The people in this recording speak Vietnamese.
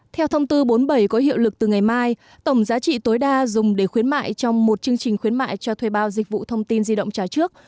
theo thông tư bốn mươi bảy có hiệu lực từ ngày mai tổng giá trị tối đa dùng để khuyến mại trong một chương trình khuyến mại cho thuê bao dịch vụ thông tin di động trả trước